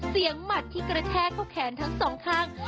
หมัดที่กระแทกเข้าแขนทั้งสองข้าง